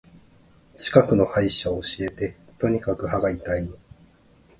近くの歯医者教えて。とにかく歯が痛いの。